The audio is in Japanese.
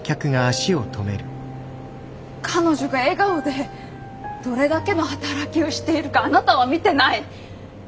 彼女が笑顔でどれだけの働きをしているかあなたは見てない。